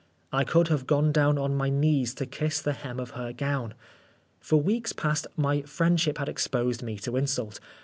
I could have gone down on my knees to kiss the hem of her gown. For weeks past my friendship had exposed me to insult.